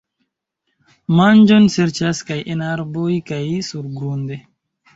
Manĝon serĉas kaj en arboj kaj surgrunde.